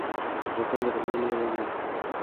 سرطان د درملنې وړ دی.